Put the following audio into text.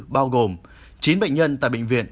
bao gồm chín bệnh nhân tại bệnh viện